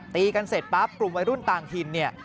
ตีกันเสร็จปั๊บกลุ่มวัยรุ่นต่างถิ่นเนี่ย